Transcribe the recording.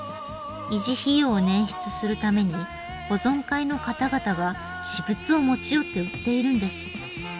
維持費用を捻出するために保存会の方々が私物を持ち寄って売っているんです。